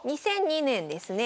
２００２年ですね。